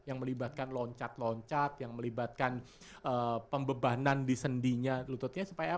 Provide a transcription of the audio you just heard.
yang melibatkan loncat loncat yang melibatkan pembebanan di sendinya lututnya supaya apa